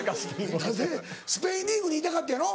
なぜスペインリーグに行きたかったんやろ？